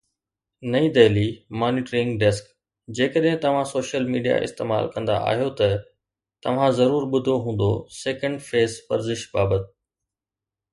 نئين Delhi monitoring desk جيڪڏهن توهان سوشل ميڊيا استعمال ڪندا آهيو ته توهان ضرور ٻڌو هوندو سيڪنڊ فيس ورزش بابت